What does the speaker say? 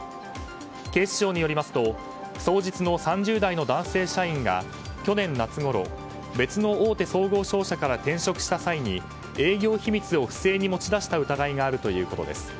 警視庁によりますと双日の３０代の男性社員が去年夏ごろ別の大手総合商社から転職した際に、営業秘密を不正に持ち出した疑いがあるということです。